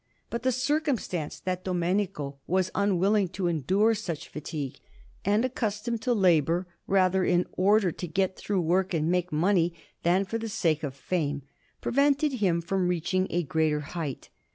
But the circumstance that Domenico was unwilling to endure much fatigue, and accustomed to labour rather in order to get through work and make money than for the sake of fame, prevented him from reaching a greater height.